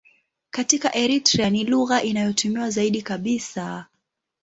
Katika Eritrea ni lugha inayotumiwa zaidi kabisa.